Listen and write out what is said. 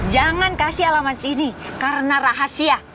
jangan kasih alaman sini karena rahasia